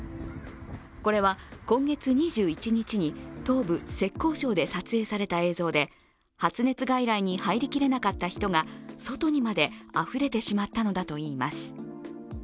これは今月２１日に東部浙江省で撮影された映像で発熱外来に入りきれなかった人が外にまであふれてしまったのだといいます。